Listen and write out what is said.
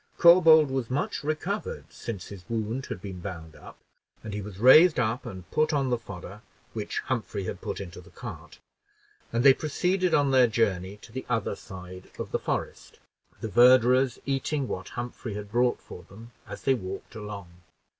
Corbould was much recovered since his wound had been bound up, and he was raised up and put on the fodder which Humphrey had put into the cart; and they proceeded on their journey to the other side of the forest, the verderers eating what Humphrey had brought for them as they walked along.